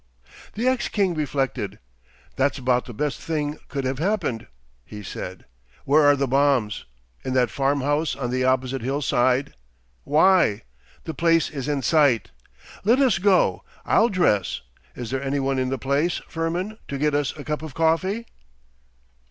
The ex king reflected. 'That's about the best thing that could have happened,' he said. 'Where are the bombs? In that farm house on the opposite hill side! Why! the place is in sight! Let us go. I'll dress. Is there any one in the place, Firmin, to get us a cup of coffee?